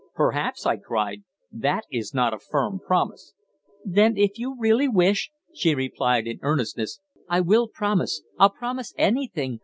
"Perhaps!" I cried. "That is not a firm promise." "Then, if you really wish," she replied in earnestness, "I will promise. I'll promise anything.